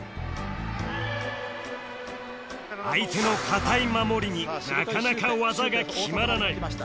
相手の堅い守りになかなか技が決まらない